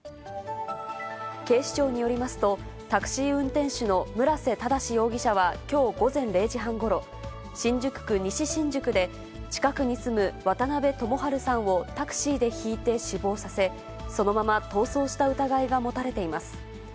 警視庁によりますと、タクシー運転手の村瀬正容疑者は、きょう午前０時半ごろ、新宿区西新宿で、近くに住む渡辺共治さんをタクシーでひいて死亡させ、そのまま逃走した疑いが持たれています。